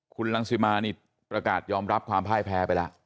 คุณรังสิมานี่ประกาศยอมรับความพ่ายแพ้ไปแล้ว